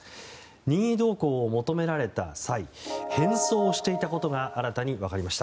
任意同行を求められた際変装していたことが新たに分かりました。